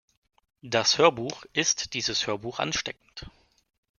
Das Hörbuch "Ist dieses Hörbuch ansteckend?